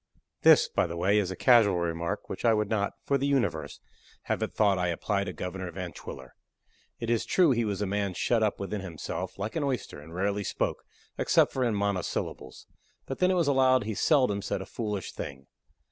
This, by the way, is a casual remark, which I would not, for the universe, have it thought I apply to Governor Van Twiller. It is true he was a man shut up within himself, like an oyster, and rarely spoke, except in monosyllables; but then it was allowed he seldom said a foolish thing.